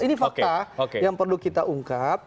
ini fakta yang perlu kita ungkap